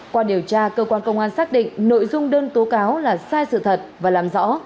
qua điều tra cơ quan công an xác định nội dung đơn tố cáo là sai sự thật và làm rõ